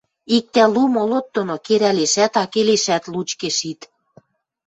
иктӓ лу молот доно керӓлешӓт, акелешӓт лучке шит.